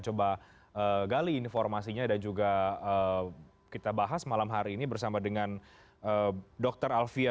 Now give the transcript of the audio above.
coba gali informasinya dan juga kita bahas malam hari ini bersama dengan dr alvia